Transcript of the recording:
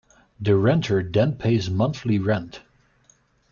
The renter then pays monthly rent.